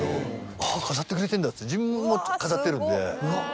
「あっ飾ってくれてんだ」って自分も飾ってるんで。